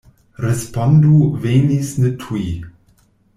Respondo venis ne tuj.